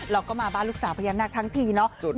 เราก็มาบ้านลูกสาวพญานาคทั้งทีเนาะ